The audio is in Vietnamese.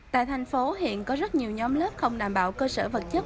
tại thành phố hiện có rất nhiều nhóm lớp không đảm bảo cơ sở vật chất